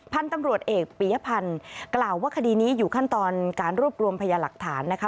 พันธุ์ตำรวจเอกปียพันธ์กล่าวว่าคดีนี้อยู่ขั้นตอนการรวบรวมพยาหลักฐานนะคะ